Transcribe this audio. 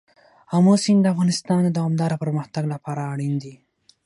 آمو سیند د افغانستان د دوامداره پرمختګ لپاره اړین دي.